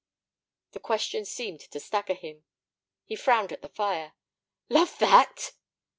The question seemed to stagger him; he frowned at the fire. "Love that!"